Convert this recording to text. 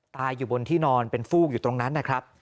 ตายอยู่บนที่นอนเป็นฟูกอยู่ตรงนั้นนะครับ